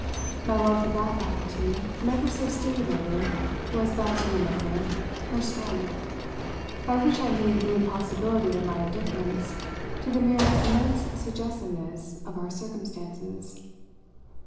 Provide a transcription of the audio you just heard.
My wealth of that faculty, never so stimulated, was thus, in a manner, her strength; by which I mean the impossibility of my indifference to the mere immense suggestiveness of our circumstances.